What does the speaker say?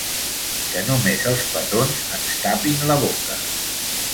Que només els petons ens tapin la boca